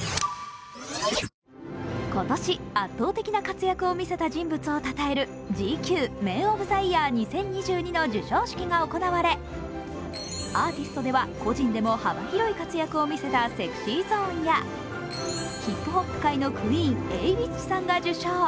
今年、圧倒的な活躍を見せた人物をたたえるＧＱＭＥＮＯＦＴＨＥＹＥＡＲ２０２２の授賞式が行われアーティストでは個人でも幅広い活躍を見せたＳｅｘｙＺｏｎｅやヒップホップ界のクイーン、Ａｗｉｃｈさんが受賞。